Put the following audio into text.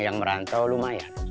yang merantau lumayan